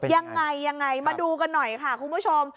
ยังไงยังไงมาดูกันหน่อยค่ะคุณผู้ชม